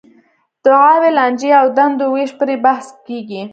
دعاوې، لانجې او دندو وېش پرې بحث کېږي.